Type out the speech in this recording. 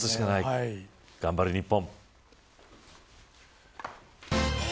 頑張れ日本。